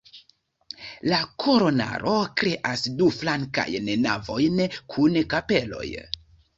La kolonaro kreas du flankajn navojn kun kapeloj.